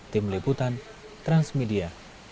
tim liputan transmedia